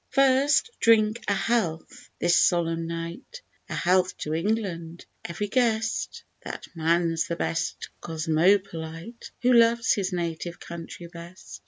] First drink a health, this solemn night, A health to England, every guest; That man's the best cosmopolite Who loves his native country best.